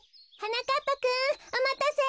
なかっぱくんおまたせ。